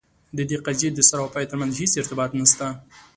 د دې قضیې د سر او پای ترمنځ هیڅ ارتباط نسته.